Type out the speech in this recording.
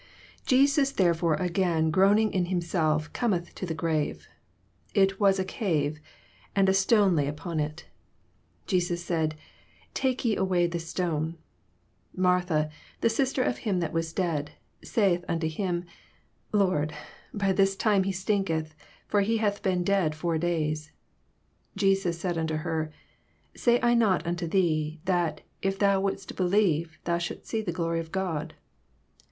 88—46. 88 Jeias therefore again groaning in himself cometh to the grave. It was a cave, and a stone lay upon it. 39 Jesus said, Take ye away the stone. Martha, the sister of him that was dead, saith unto him, Lord, by this time he stinketh : for he hath been dead four days. 40 Jesus saith unto her, Said I not unto thee, that, if thou wouldest be lieve, thou shouldest see the glory of God?